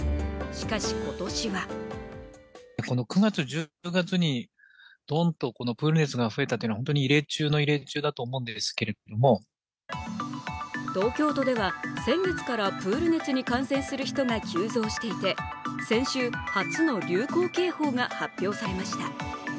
しかし、今年は東京都では先月からプール熱に感染する人が急増していて先週、初の流行警報が発表されました。